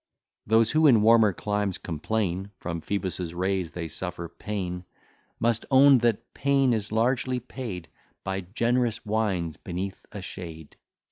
Those who, in warmer climes, complain From Phoebus' rays they suffer pain, Must own that pain is largely paid By generous wines beneath a shade.